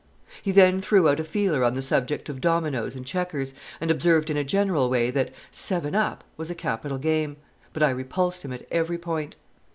He then threw out a feeler on the subject of dominos and checkers, and observed in a general way that "seven up" was a capital game; but I repulsed him at every point.